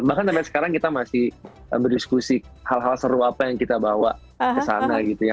bahkan sampai sekarang kita masih berdiskusi hal hal seru apa yang kita bawa ke sana gitu ya